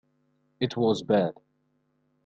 It was bad.